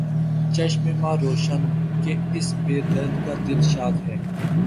چشمِ ما روشن، کہ اس بے درد کا دل شاد ہے